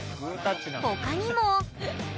他にも。